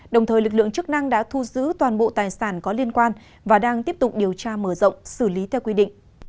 đồng thời lực lượng chức năng đã thu giữ toàn bộ tài sản có liên quan và đang tiếp tục điều tra mở rộng xử lý theo quy định